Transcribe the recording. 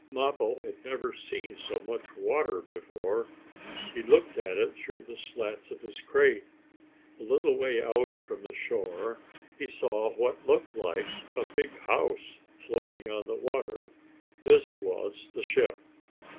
Mappo had never seen so much water before. He looked at it through the slats of his crate. A little way out from shore he saw what looked like a big house floating on the water. This was the ship.